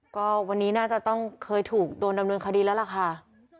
ก็วันนี้น่าจะต้องเคยถูกโดนดำเนินคดีแล้วล่ะค่ะ